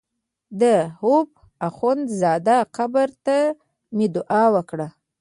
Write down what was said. د حبو اخند زاده قبر ته مې دعا وکړه.